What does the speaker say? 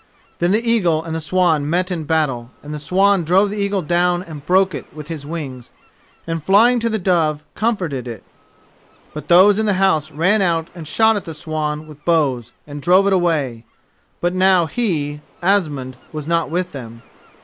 Then the eagle and the swan met in battle, and the swan drove the eagle down and broke it with his wings, and, flying to the dove, comforted it. But those in the house ran out and shot at the swan with bows and drove it away, but now he, Asmund, was not with them.